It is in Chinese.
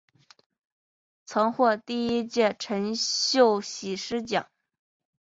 曾获第一届陈秀喜诗奖。